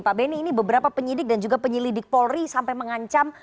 pak benny ini beberapa penyidik dan juga penyelidik polri sampai mengancam